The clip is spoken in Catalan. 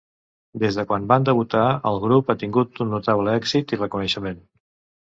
Des de quan van debutar, el grup ha tingut un notable èxit i reconeixement.